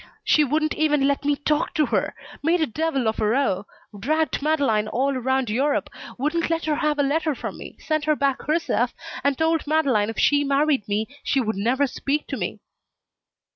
"She wouldn't even let me talk to her; made a devil of a row, dragged Madeleine all around Europe, wouldn't let her have a letter from me sent them back herself and told Madeleine if she married me she would never speak to me."